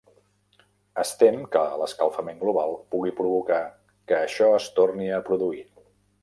Es tem que l'escalfament global pugui provocar que això es torni a produir.